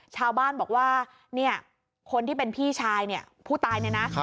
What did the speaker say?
ชาวบ้านบอกว่าคนที่เป็นพี่ชายผู้ตายเนี่ยนะ